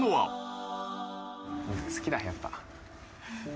「好きだやっぱ」